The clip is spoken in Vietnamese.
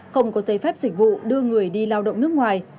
không có giấy phép sử dụng đưa người đi lao động nước ngoài